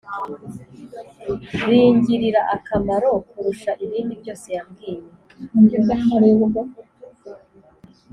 ringirira akamaro kurusha ibindi byose yambwiye